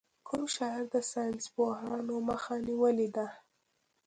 کوم شاعر د ساینسپوهانو مخه نېولې ده.